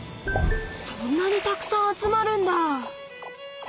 そんなにたくさん集まるんだ！